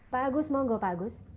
pak agus mau nggak pak agus